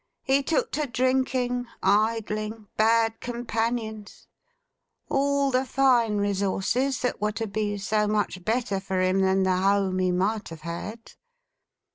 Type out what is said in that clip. He took to drinking, idling, bad companions: all the fine resources that were to be so much better for him than the Home he might have had.